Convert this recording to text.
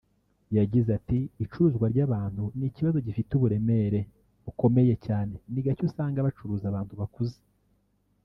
yagize ati “Icuruzwa ry’abantu ni ikibazo gifite uburemere bukomeye cyane … ni gake usanga bacuruza abantu bakuze